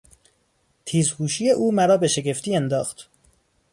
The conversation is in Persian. تیز هوشی او مرا به شگفتی انداخت.